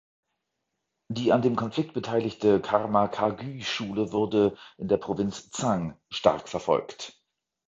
Die an dem Konflikt beteiligte Karma-Kagyü-Schule wurde in der Provinz Tsang stark verfolgt.